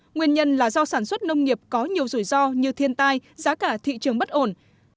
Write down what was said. nguyên nhân là do sản xuất nông nghiệp có nhiều rủi ro như thiên tai giá cả thị trường bất ổn